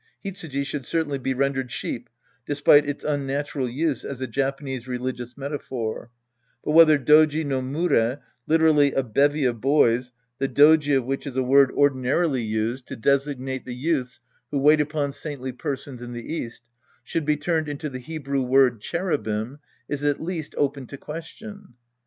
Hitsuji should certainly be rendered " sheep "■ de spite its unnatural use as a Japanese religious meta phor, but whether ddji no mure, literally " a bevy of boys ", the dbji pf which is a word ordinarily used INTRODUCTION V to designate the youths who wait upon saintly per sons in the East, should be turned into the Hebrew word " cherubim," is at least open to question.